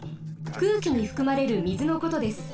くうきにふくまれるみずのことです。